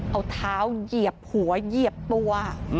เอาเท้าเหยียบหัวเหยียบตัว